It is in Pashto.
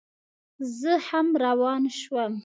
زه هم روان شوم.